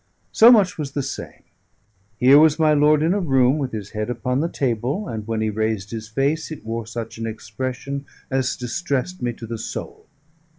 So much was the same: here was my lord in a room, with his head upon the table, and when he raised his face, it wore such an expression as distressed me to the soul.